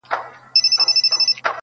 د الف لیله و لیله د کتاب د ریچارډ٫